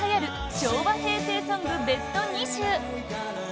昭和平成ソングベスト２０！